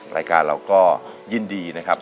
รายการเราก็ยินดีนะครับ